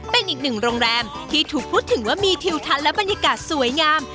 เป็นอีกหนึ่งโรงแรมที่ถูกพูดถึงว่ามีทิวทัศน์และบรรยากาศสวยงาม